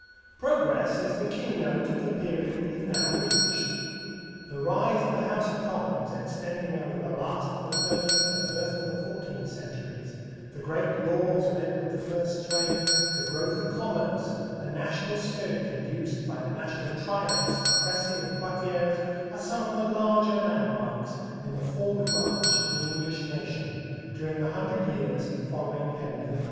Progress is the keynote of the period we have now reached. The rise of the House of Commons, extending over the last of the thirteenth and first of the fourteenth centuries, the great laws of Edward I's reign, the growth of commerce, the national spirit induced by the national triumphs at Crecy and Poitiers are some of the larger landmarks in the forward march of the English nation during the hundred years following Henry III.